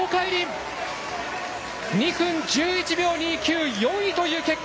２分１１秒２９４位という結果！